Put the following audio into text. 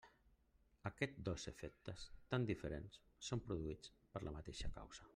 Aquests dos efectes tan diferents són produïts per la mateixa causa.